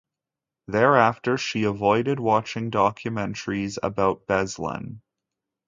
Thereafter she avoid watching documentaries about Beslan.